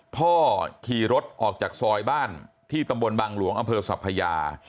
พ่อขี่รถออกจากซอยบ้านที่ตำบลบังหลวงอำเภอสัพพยา